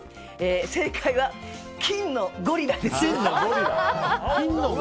正解は金のゴリラです。